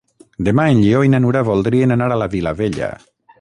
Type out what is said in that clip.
Demà en Lleó i na Nura voldrien anar a la Vilavella.